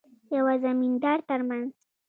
یوه زمیندار ترمنځ.